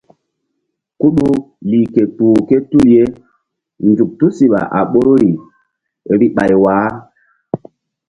Kuɗu lih ke kpuh ké tul ye zuk tusiɓa a ɓoruri vbi ɓay wah.